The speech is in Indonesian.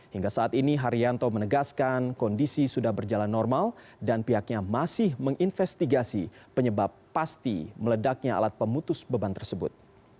hingga saat ini haryanto menegaskan kondisi sudah berjalan normal dan pihaknya masih menginvestigasi penyebab pasti meledaknya alat pemutus beban tersebut